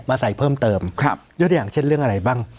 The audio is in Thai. ใส่เพิ่มเติมครับยกอย่างเช่นเรื่องอะไรบ้าง